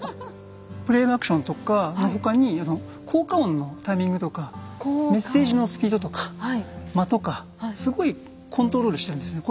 プレイのアクションとかの他に効果音のタイミングとかメッセージのスピードとか間とかすごいコントロールしてるんですね。